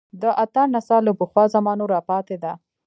د اتڼ نڅا له پخوا زمانو راپاتې ده